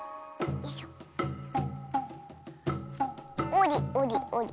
おりおりおり。